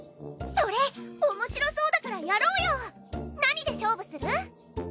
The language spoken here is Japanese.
それおもしろそうだからやろうよ何で勝負する？